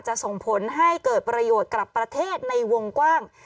ส่งผลให้เกิดประโยชน์กับประเทศในวงกว้าง